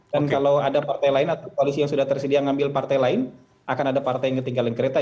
dan kalau ada partai lain atau koalisi yang sudah tersedia ngambil partai lain akan ada partai yang ketinggalan kereta